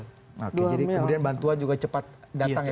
oke jadi kemudian bantuan juga cepat datang ya